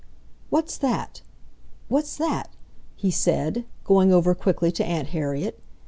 "What's that? What's that?" he said, going over quickly to Aunt Harriet.